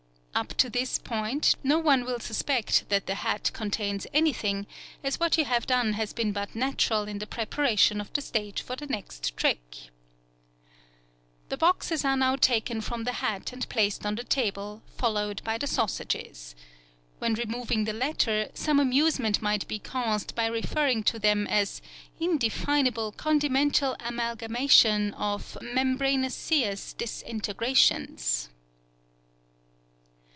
Up to this point, no one will suspect that the hat contains anything, as what you have done has been but natural in the preparation of the stage for the next trick. The boxes are now taken from the hat and placed on the table, followed by the sausages. When removing the latter, some amusement may be caused by referring to them as "an indefinable, condimental amalgamation of membranaceous disintegrations."